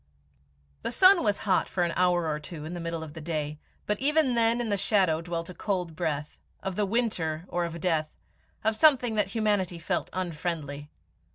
The sun was hot for an hour or two in the middle of the day, but even then in the shadow dwelt a cold breath of the winter, or of death of something that humanity felt unfriendly.